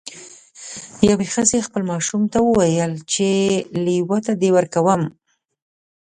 یوې ښځې خپل ماشوم ته وویل چې لیوه ته دې ورکوم.